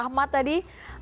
pak ahmad tadi